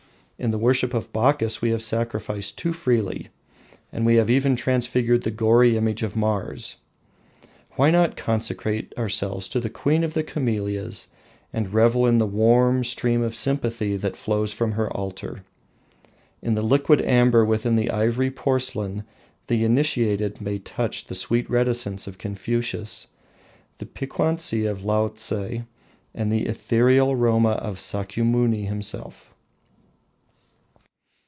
In the worship of Bacchus, we have sacrificed too freely; and we have even transfigured the gory image of Mars. Why not consecrate ourselves to the queen of the Camelias, and revel in the warm stream of sympathy that flows from her altar? In the liquid amber within the ivory porcelain, the initiated may touch the sweet reticence of Confucius, the piquancy of Laotse, and the ethereal aroma of Sakyamuni himself.